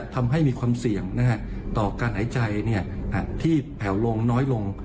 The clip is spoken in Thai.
ทำให้การให้ใจเนี้ยที่แผ่วลงน้อยลง